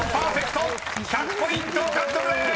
［１００ポイント獲得でーす！］